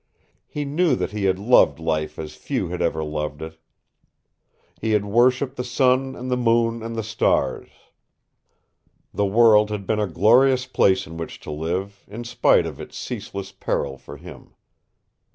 He knew that he had loved life as few had ever loved it. He had worshipped the sun and the moon and the stars. The world had been a glorious place in which to live, in spite of its ceaseless peril for him.